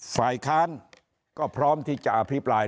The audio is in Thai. ฝ่ายค้านก็พร้อมที่จะอภิปราย